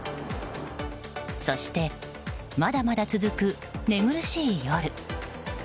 そして、まだまだ続く寝苦しい夜。